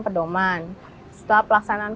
pedoman setelah pelaksanaan